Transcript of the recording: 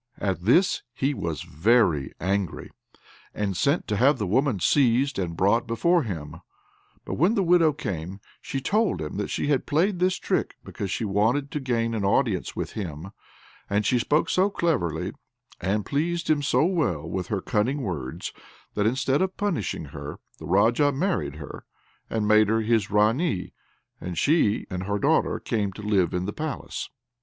At this he was very angry, and sent to have the woman seized and brought before him. But when the widow came, she told him that she had played this trick because she wanted to gain an audience with him; and she spoke so cleverly, and pleased him so well with her cunning words, that instead of punishing her, the Raja married her, and made her his Ranee, and she and her daughter came to live in the palace.